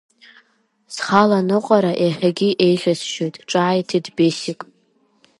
Схала аныҟәара иаҳагьы еиӷьасшьоит, ҿааиҭит Бесик.